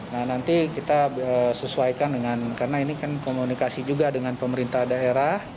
nah nanti kita sesuaikan dengan karena ini kan komunikasi juga dengan pemerintah daerah